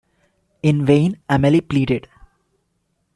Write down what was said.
In vain Amelie pleaded.